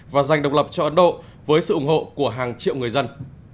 và dành độc lập cho ấn độ với sự ủng hộ của hàng triệu người dân